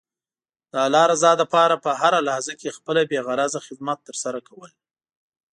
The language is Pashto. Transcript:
د الله رضا لپاره په هره لحظه کې خپله بې غرضه خدمت ترسره کول.